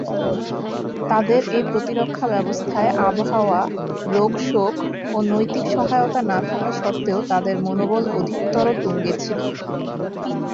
তাদের এ প্রতিরক্ষা ব্যবস্থায় আবহাওয়া, রোগ-শোক ও নৈতিক সহায়তা না থাকা স্বত্ত্বেও তাদের মনোবল অধিকতর তুঙ্গে ছিল।